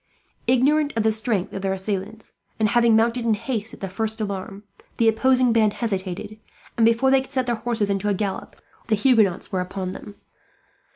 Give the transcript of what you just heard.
Ignorant of the strength of their assailants, and having mounted in haste at the first alarm, the opposing band hesitated; and before they could set their horses into a gallop, the Huguenots were upon them.